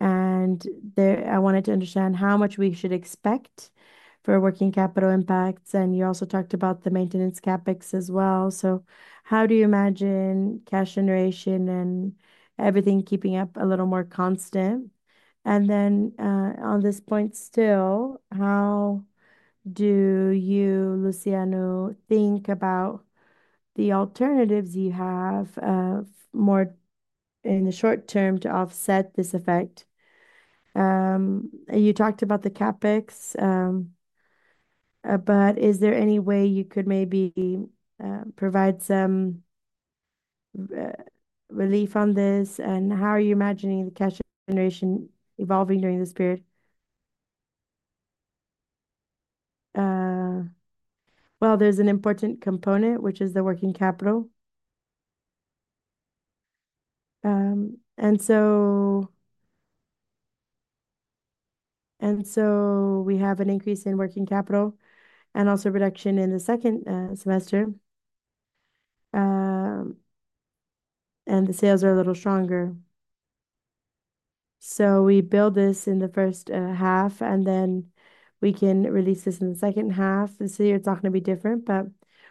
I wanted to understand how much we should expect for working capital impacts. You also talked about the maintenance CapEx as well. How do you imagine cash generation and everything keeping up a little more constant? On this point still, how do you, Luciano, think about the alternatives you have more in the short term to offset this effect? You talked about the CapEx, but is there any way you could maybe provide some relief on this? How are you imagining the cash generation evolving during this period? There is an important component, which is the working capital. We have an increase in working capital and also a reduction in the second semester. The sales are a little stronger. We build this in the first half, and then we can release this in the second half. This year, it's all going to be different.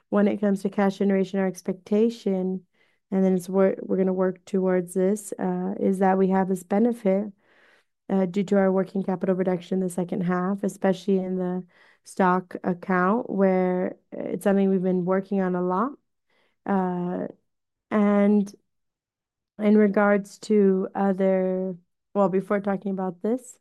When it comes to cash generation, our expectation, and then it's what we're going to work towards, is that we have this benefit due to our working capital reduction in the second half, especially in the stock account, where it's something we've been working on a lot. In regards to other, before talking about this,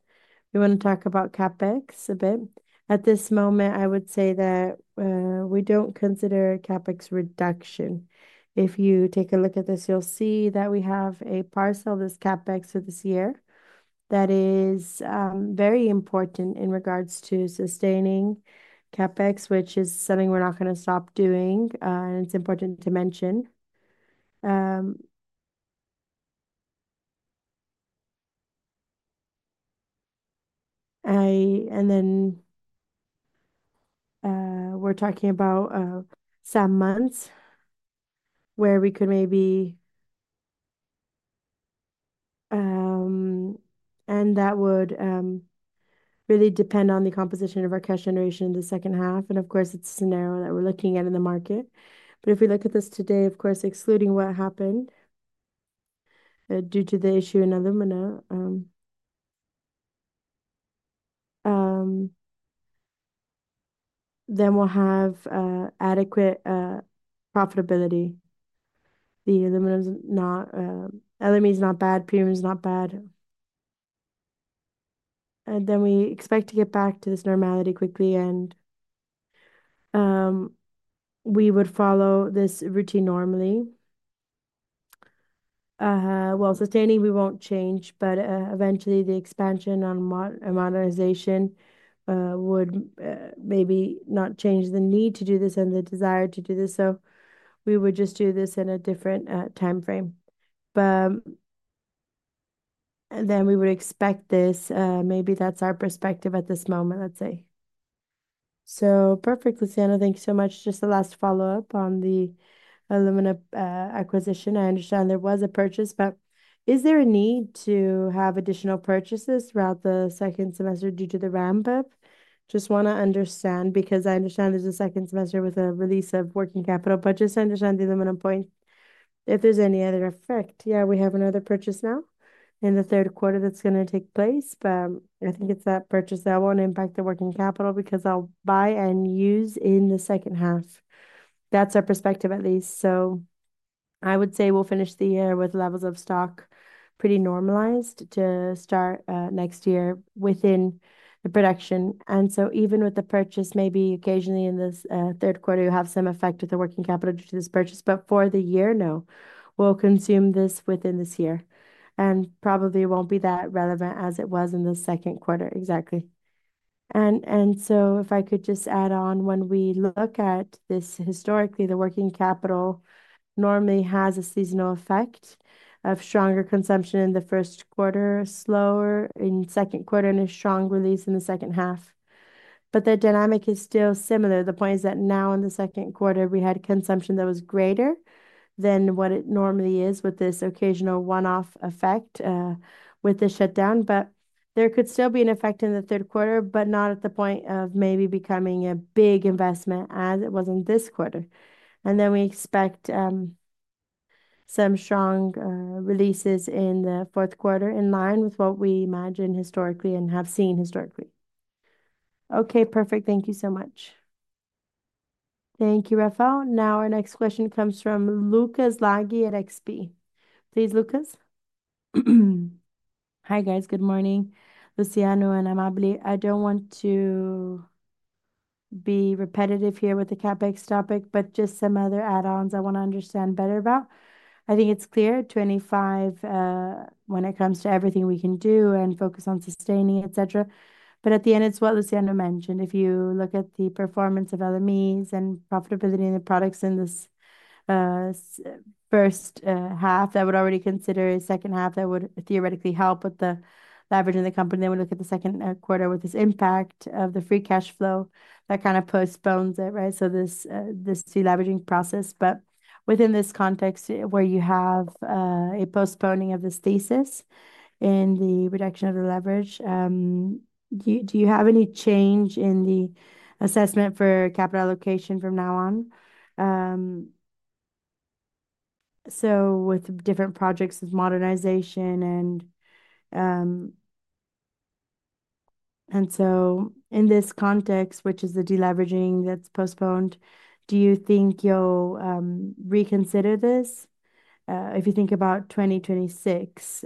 we want to talk about CapEx a bit. At this moment, I would say that we don't consider CapEx reduction. If you take a look at this, you'll see that we have a parcel of this CapEx for this year that is very important in regards to sustaining CapEx, which is something we're not going to stop doing. It's important to mention. We're talking about some months where we could maybe, and that would really depend on the composition of our cash generation in the second half. Of course, it's a scenario that we're looking at in the market. If we look at this today, of course, excluding what happened due to the issue in alumina, then we'll have adequate profitability. The aluminum is not bad. Premium is not bad. We expect to get back to this normality quickly. We would follow this routine normally. Sustaining, we won't change, but eventually, the expansion and modernization would maybe not change the need to do this and the desire to do this. We would just do this in a different timeframe. We would expect this. Maybe that's our perspective at this moment, let's say. Perfect, Luciano. Thank you so much. Just the last follow-up on the alumina acquisition. I understand there was a purchase, but is there a need to have additional purchases throughout the second semester due to the ramp-up? Just want to understand because I understand there's a second semester with a release of working capital, but just to understand the alumina point, if there's any other effect. Yeah, we have another purchase now in the third quarter that's going to take place, but I think it's that purchase that won't impact the working capital because I'll buy and use in the second half. That's our perspective, at least. I would say we'll finish the year with levels of stock pretty normalized to start next year within the production. Even with the purchase, maybe occasionally in this third quarter, you'll have some effect with the working capital due to this purchase. For the year, no. We'll consume this within this year, and probably it won't be that relevant as it was in the second quarter, exactly. If I could just add on, when we look at this historically, the working capital normally has a seasonal effect of stronger consumption in the first quarter, slower in the second quarter, and a strong release in the second half. The dynamic is still similar. The point is that now in the second quarter, we had consumption that was greater than what it normally is with this occasional one-off effect with the shutdown. There could still be an effect in the third quarter, but not at the point of maybe becoming a big investment as it was in this quarter. We expect some strong releases in the fourth quarter in line with what we imagine historically and have seen historically. Okay. Perfect. Thank you so much. Thank you, Rafael. Now our next question comes from Lucas Laghi at XP. Please, Lucas. Hi, guys. Good morning, Luciano and Amabile. I don't want to be repetitive here with the CapEx topic, but just some other add-ons I want to understand better about. I think it's clear at 2025 when it comes to everything we can do and focus on sustaining, etc. At the end, it's what Luciano mentioned. If you look at the performance of LME and profitability in the products in this first half, that would already consider a second half that would theoretically help with the leverage in the company. We look at the second quarter with this impact of the free cash flow that kind of postpones it, right? This de-leveraging process. Within this context where you have a postponing of this thesis in the reduction of the leverage, do you have any change in the assessment for capital allocation from now on? With different projects of modernization and so in this context, which is the de-leveraging that's postponed, do you think you'll reconsider this? If you think about 2026,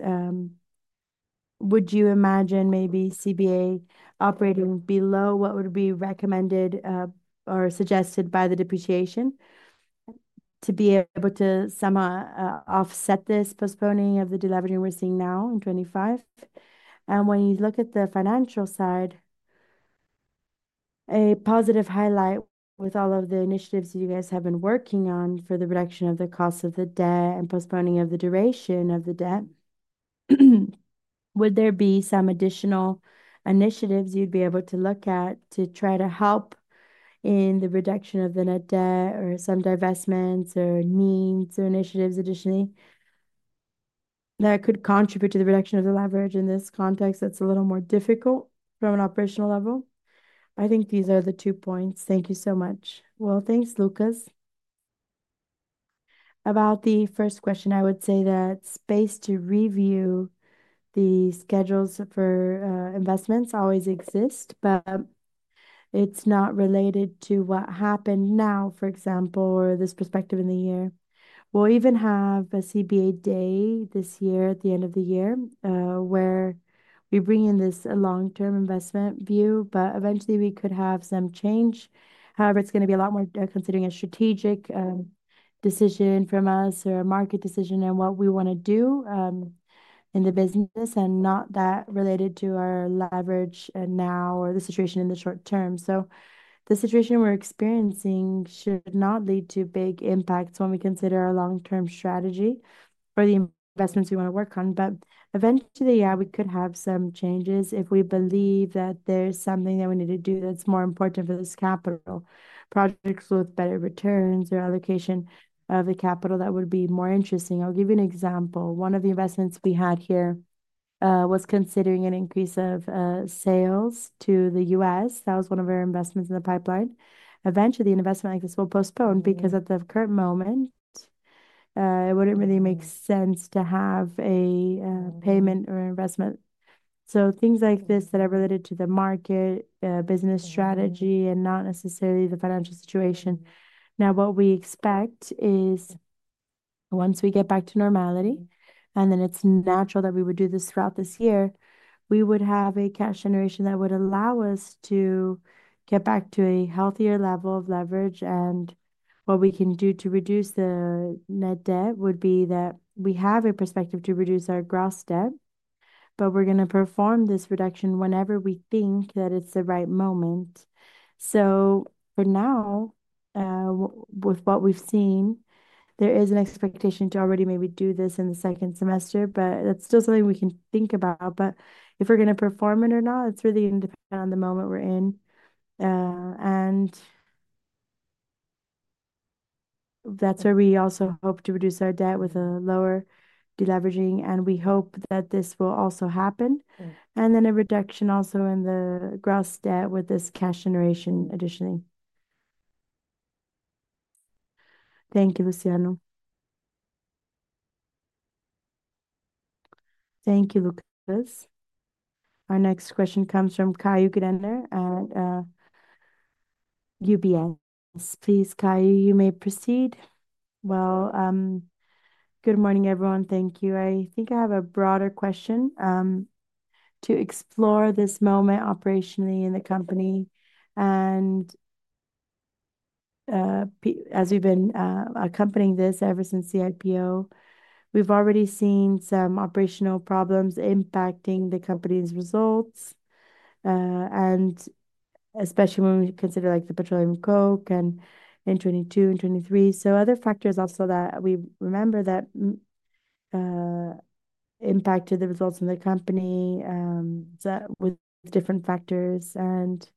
would you imagine maybe CBA operating below what would be recommended or suggested by the depreciation to be able to somehow offset this postponing of the de-leveraging we're seeing now in 2025? When you look at the financial side, a positive highlight with all of the initiatives that you guys have been working on for the reduction of the cost of the debt and postponing of the duration of the debt, would there be some additional initiatives you'd be able to look at to try to help in the reduction of the net debt or some divestments or needs or initiatives additionally that could contribute to the reduction of the leverage in this context that's a little more difficult from an operational level? I think these are the two points. Thank you so much. Thanks, Lucas. About the first question, I would say that space to review the schedules for investments always exists, but it's not related to what happened now, for example, or this perspective in the year. We'll even have a CBA day this year at the end of the year, where we bring in this long-term investment view, but eventually, we could have some change. However, it's going to be a lot more considering a strategic decision from us or a market decision and what we want to do in the business and not that related to our leverage now or the situation in the short term. The situation we're experiencing should not lead to big impacts when we consider our long-term strategy or the investments we want to work on. Eventually, yeah, we could have some changes if we believe that there's something that we need to do that's more important for this capital. Projects with better returns or allocation of the capital that would be more interesting. I'll give you an example. One of the investments we had here was considering an increase of sales to the U.S. That was one of our investments in the pipeline. Eventually, the investment like this will postpone because at the current moment, it wouldn't really make sense to have a payment or investment. Things like this that are related to the market, business strategy, and not necessarily the financial situation. Now, what we expect is once we get back to normality, and then it's natural that we would do this throughout this year, we would have a cash generation that would allow us to get back to a healthier level of leverage. What we can do to reduce the net debt would be that we have a perspective to reduce our gross debt, but we're going to perform this reduction whenever we think that it's the right moment. For now, with what we've seen, there is an expectation to already maybe do this in the second semester, but that's still something we can think about. If we're going to perform it or not, it's really dependent on the moment we're in. That's where we also hope to reduce our debt with a lower de-leveraging. We hope that this will also happen. Then a reduction also in the gross debt with this cash generation additionally. Thank you, Luciano. Thank you, Lucas. Our next question comes from Caio Greiner at UBS. Please, Caio, you may proceed. Good morning, everyone. Thank you. I think I have a broader question. To explore this moment operationally in the company, and as we've been accompanying this ever since the IPO, we've already seen some operational problems impacting the company's results, and especially when we consider like the petroleum coke in 2022 and 2023. Other factors also that we remember that impacted the results of the company, that with different factors and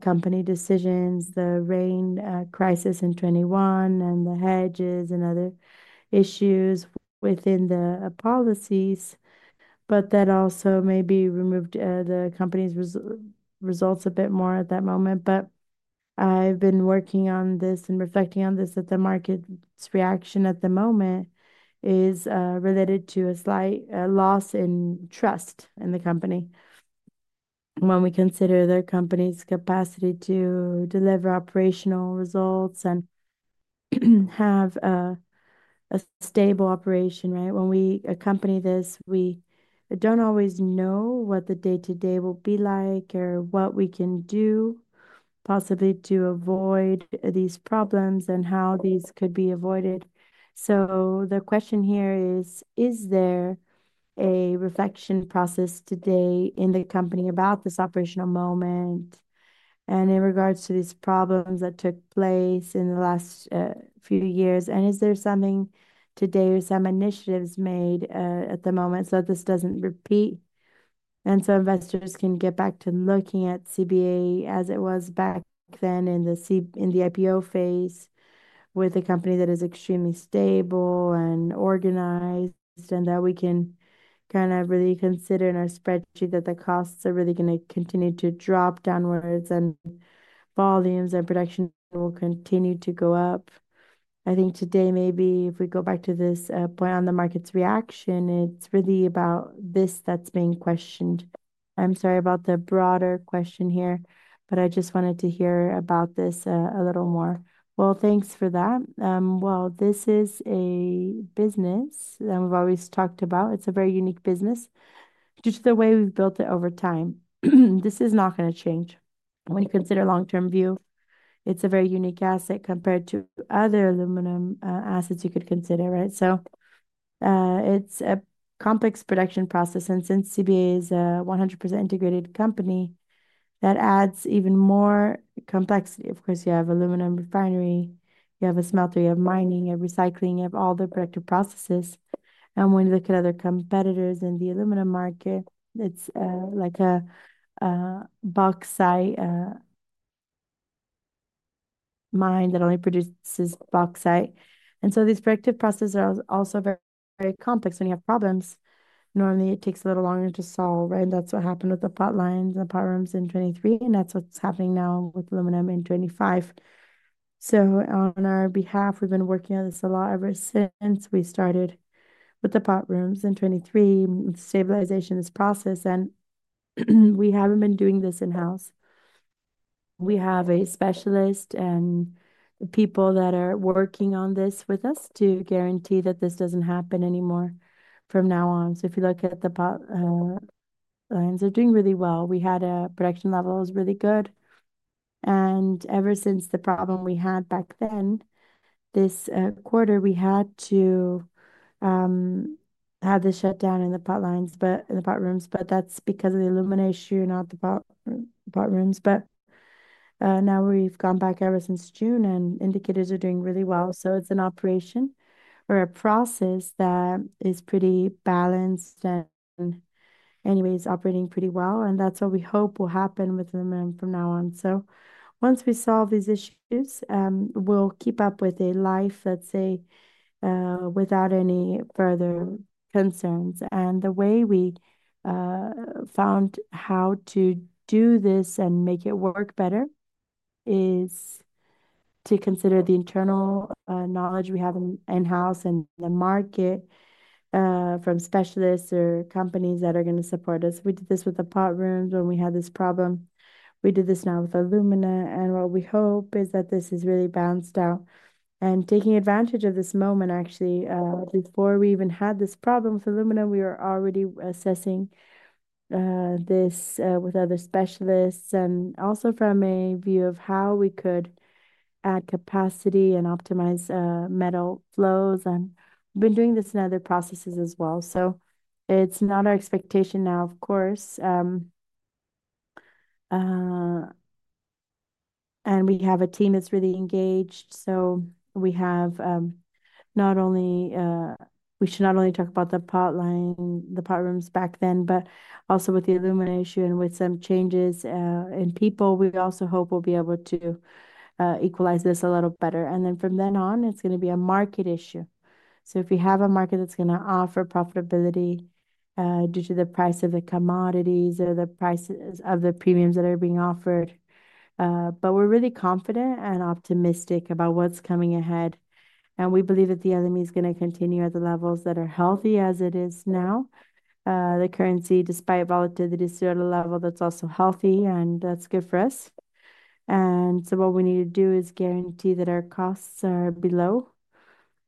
company decisions, the rain crisis in 2021, and the hedges and other issues within the policies, but that also maybe removed the company's results a bit more at that moment. I've been working on this and reflecting on this that the market's reaction at the moment is related to a slight loss in trust in the company when we consider the company's capacity to deliver operational results and have a stable operation, right? When we accompany this, we don't always know what the day-to-day will be like or what we can do possibly to avoid these problems and how these could be avoided. The question here is, is there a reflection process today in the company about this operational moment? In regards to these problems that took place in the last few years, is there something today or some initiatives made at the moment so that this doesn't repeat and so investors can get back to looking at CBA as it was back then in the IPO phase, with a company that is extremely stable and organized and that we can kind of really consider in our spreadsheet that the costs are really going to continue to drop downwards and volumes and production will continue to go up. I think today, maybe if we go back to this plan on the market's reaction, it's really about this that's being questioned. I'm sorry about the broader question here, but I just wanted to hear about this a little more. Thanks for that. This is a business that we've always talked about. It's a very unique business due to the way we've built it over time. This is not going to change when you consider a long-term view. It's a very unique asset compared to other aluminum assets you could consider, right? It's a complex production process. Since CBA a 100% integrated company, that adds even more complexity. Of course, you have an alumina refinery. You have a smelter. You have mining. You have recycling. You have all the productive processes. When you look at other competitors in the aluminum market, it's like a bauxite mine that only produces bauxite. These productive processes are also very complex. When you have problems, normally it takes a little longer to solve, right? That's what happened with the pipelines and the pipelines in 2023. That's what's happening now with aluminum in 2025. On our behalf, we've been working on this a lot ever since we started with the pipelines in 2023, stabilization of this process. We haven't been doing this in-house. We have a specialist and the people that are working on this with us to guarantee that this doesn't happen anymore from now on. If you look at the pipelines, they're doing really well. We had a production level that was really good. Ever since the problem we had back then, this quarter, we had to have the shutdown in the pipelines. That's because of the aluminum issue, not the pipelines. Now we've gone back ever since June, and indicators are doing really well. It's an operation or a process that is pretty balanced and is operating pretty well. That's what we hope will happen with aluminum from now on. Once we solve these issues, we'll keep up with a life, let's say, without any further concerns. The way we found how to do this and make it work better is to consider the internal knowledge we have in-house and the market from specialists or companies that are going to support us. We did this with the pipelines when we had this problem. We do this now with alumina. What we hope is that this is really balanced out. Taking advantage of this moment, actually, before we even had this problem with alumina, we were already assessing this with other specialists and also from a view of how we could add capacity and optimize metal flows. We've been doing this in other processes as well. It's not our expectation now, of course. We have a team that's really engaged. We should not only talk about the pipeline, the pipelines back then, but also with the aluminum issue and with some changes in people, we also hope we'll be able to equalize this a little better. From then on, it's going to be a market issue. If we have a market that's going to offer profitability due to the price of the commodities or the prices of the premiums that are being offered, we're really confident and optimistic about what's coming ahead. We believe that the LME is going to continue at the levels that are healthy as it is now. The currency, despite volatility, is still at a level that's also healthy, and that's good for us. What we need to do is guarantee that our costs are below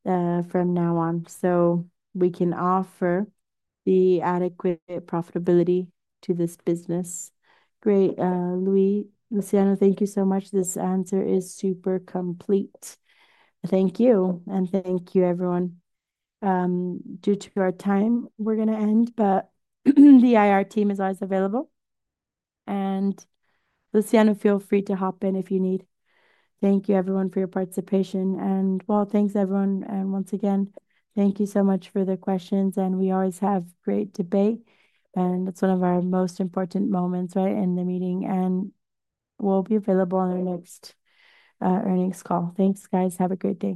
from now on so we can offer the adequate profitability to this business. Great. Luciano, thank you so much. This answer is super complete. Thank you. Thank you, everyone. Due to our time, we're going to end, but the IR team is always available. Luciano, feel free to hop in if you need. Thank you, everyone, for your participation. Once again, thank you so much for the questions. We always have great debate. That's one of our most important moments in the meeting. We'll be available on our next earnings call. Thanks, guys. Have a great day.